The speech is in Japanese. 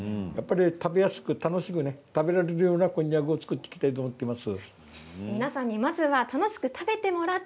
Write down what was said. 食べやすく楽しく食べられるようなこんにゃくを作っていきたいと思っています。